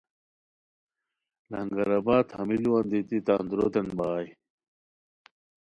لنگرآباد ہمی ُ لوان دیتی تان دُوروتین بغائے